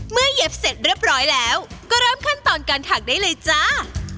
เย็บเสร็จเรียบร้อยแล้วก็เริ่มขั้นตอนการถักได้เลยจ้า